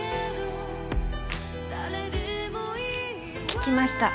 聞きました。